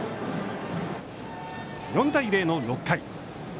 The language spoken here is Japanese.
４対０の６回。